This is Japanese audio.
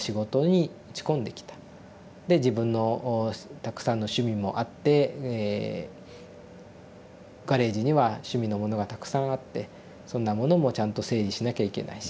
で自分のたくさんの趣味もあってガレージには趣味のものがたくさんあってそんなものもちゃんと整理しなきゃいけないし。